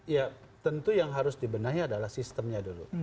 ya tentu yang harus dibenahi adalah sistemnya dulu